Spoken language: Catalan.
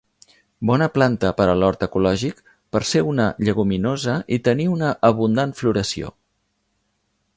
Bona planta per a l'hort ecològic per ser una lleguminosa i tenir una abundant floració.